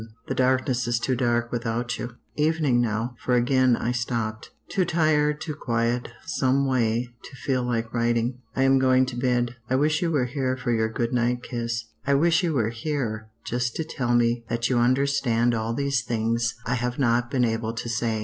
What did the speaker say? The darkness is too dark without you. "Evening now, for again I stopped; too tired, too quiet, someway, to feel like writing. I am going to bed. I wish you were here for your good night kiss. I wish you were here just to tell me that you understand all these things I have not been able to say.